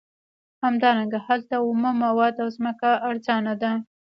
همدارنګه هلته اومه مواد او ځمکه ارزانه ده